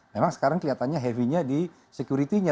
memang sekarang kelihatannya heavy nya di security nya